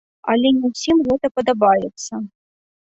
Але не ўсім гэта падабаецца.